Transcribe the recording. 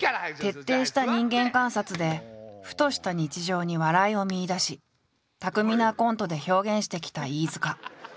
徹底した人間観察でふとした日常に笑いを見いだし巧みなコントで表現してきた飯塚。